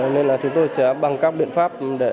nên là chúng tôi sẽ bằng các biện pháp để đảm bảo quyền lợi